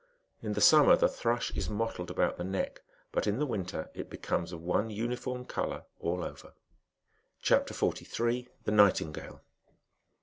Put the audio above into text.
In the summer, the thrush is mottled bout the neck, but in the winter it becomes of one uniform olour all over. CHAP. 43. THE NIGHTINGALE.